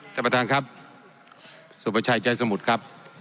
ท่านประธานครับสุประชัยใจสมุทรครับ